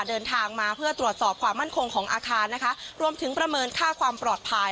เดินทางมาเพื่อตรวจสอบความมั่นคงของอาคารนะคะรวมถึงประเมินค่าความปลอดภัย